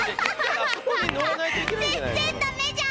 全然ダメじゃん！